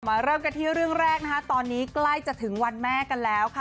เริ่มกันที่เรื่องแรกนะคะตอนนี้ใกล้จะถึงวันแม่กันแล้วค่ะ